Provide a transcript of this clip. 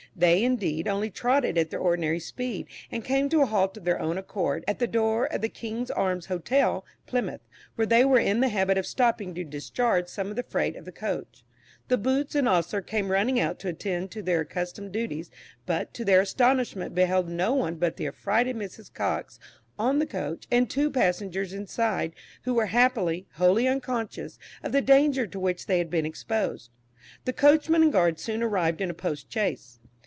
They, indeed, only trotted at their ordinary speed, and came to a halt of their own accord at the door of the "King's Arms" Hotel, Plymouth, where they were in the habit of stopping to discharge some of the freight of the coach. The boots and ostler came running out to attend to their accustomed duties, but, to their astonishment, beheld no one but the affrighted Mrs. Cox on the coach and two passengers inside, who were happily, wholly unconscious of the danger to which they had been exposed! The coachman and guard soon arrived in a post chaise.